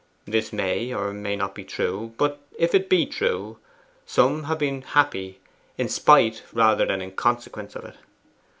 This may or may not be true; but if it be true, some have been happy in spite rather than in consequence of it.